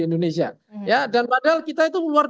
indonesia ya dan padahal kita itu luar